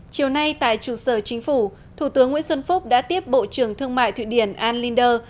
chiều nay tại trụ sở chính phủ thủ tướng nguyễn xuân phúc đã tiếp bộ trưởng thương mại thụy điển allinder